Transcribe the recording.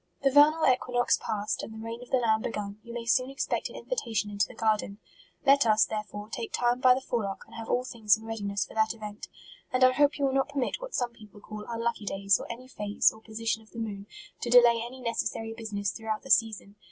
The vernal equinox past, and the reign of the Lamb begun, you may soon expect an invitation into the garden. Let us, there fore, " take time by the forelock" and have all things in readiness for that event. And I hope you will not permit what some peo ple call unlucky days, or any phase, or po sition of the moon, to delay any necessary business throughout the season.